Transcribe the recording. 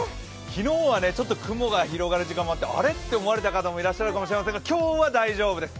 昨日はちょっと雲が広がる時間があって、あれって思ったかもしれませんが今日は大丈夫です。